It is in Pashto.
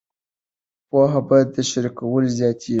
پوهه په شریکولو زیاتیږي.